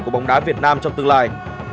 của bóng đá việt nam trong tương lai